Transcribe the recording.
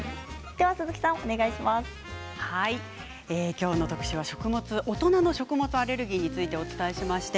今日の特集は大人の食物アレルギーについてお伝えしました。